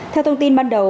theo thông tin ban đầu